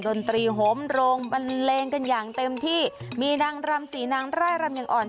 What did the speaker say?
ดนตรีโหมโรงบันเลงกันอย่างเต็มที่มีนางรำสี่นางร่ายรำอย่างอ่อน